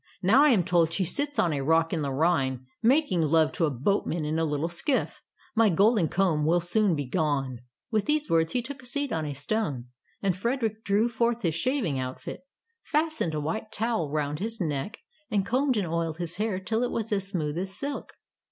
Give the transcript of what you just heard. Now, I am told, she sits on a rock in the Rhine, making love to a boatman in a little skifif. My golden comb will soon be gone.'^ With these words he took a seat on a stone, and Frederick drew forth his shaving outfit, fastened a white towel round his neck, and combed and oiled his hair till it was as smooth as silk.